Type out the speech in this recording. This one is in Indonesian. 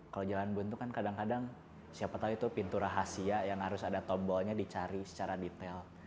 kalau jalan buntu kan kadang kadang siapa tahu itu pintu rahasia yang harus ada tombolnya dicari secara detail